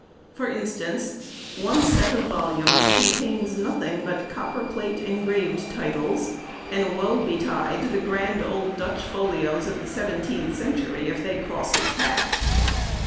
For instance: One set of volumes contains nothing but copper plate engraved titles, and woe betide the grand old Dutch folios of the seventeenth century if they cross his path.